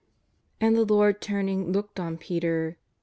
And the Lord turning looked on Peter.